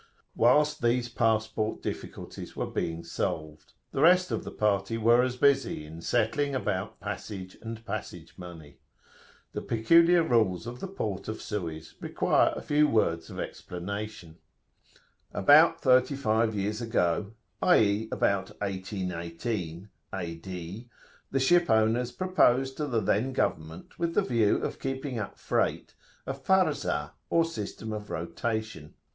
Whilst these passport difficulties were being solved, the rest of the party was as busy in settling about passage and passage money. The peculiar rules of the port of Suez require a few words of explanation.[FN#10] "About thirty five years ago" (i.e. about 1818 A.D.), "the ship owners proposed to the then government, with the view of keeping up freight, a Farzah, or system of rotation.